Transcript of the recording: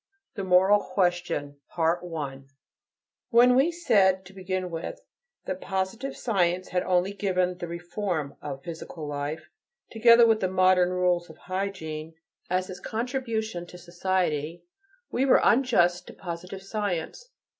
THE MORAL QUESTION When we said, to begin with, that positive science had only given the "reform" of physical life, together with the modern rules of hygiene, as its contribution to society, we were unjust to positive science.